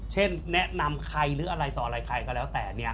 เช่นแนะนำใครหรืออะไรต่ออะไรใครก็แล้วแต่